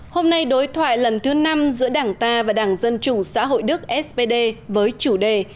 hôm nay đối thoại lần thứ năm giữa đảng ta và đảng dân chủ xã hội đức spd với chủ đề